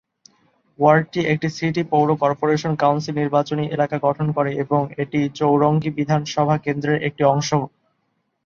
ওয়ার্ডটি একটি সিটি পৌর corporation council নির্বাচনী এলাকা গঠন করে এবং এটি চৌরঙ্গী বিধানসভা কেন্দ্রর একটি অংশ।